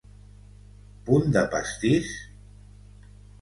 Punt de pastís?